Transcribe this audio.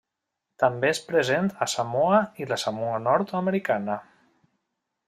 També és present a Samoa i la Samoa Nord-americana.